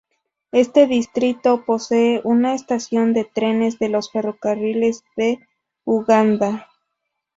Este distrito posee una estación de trenes de los ferrocarriles de Uganda.